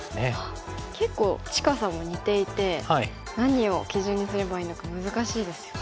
結構近さも似ていて何を基準にすればいいのか難しいですよね。